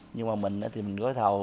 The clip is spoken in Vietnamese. nhưng mà mình thì mình gối thầu